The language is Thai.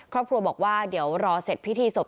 ครอบครัวบอกว่าเดี๋ยวรอเสร็จพิธีศพ